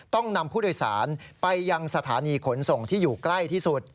ต้องนำผู้โดยสารไปยังสถานีขนส่งที่อยู่ใกล้ที่สุด